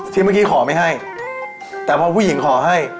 เมื่อกี้ขอไม่ให้แต่พอผู้หญิงขอให้